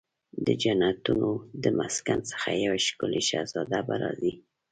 د جنتونو د مسکن څخه یو ښکلې شهزاده به راځي